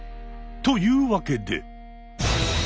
というわけで！